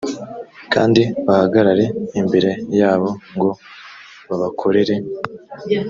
kandi bahagarare imbere yabo ngo babakorere